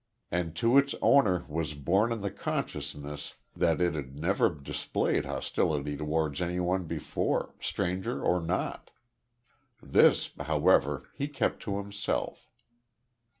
And to its owner was borne in the consciousness that it had never displayed hostility towards anybody before stranger or not. This, however, he kept to himself.